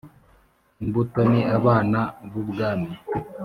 imbuto ni abana b ubwami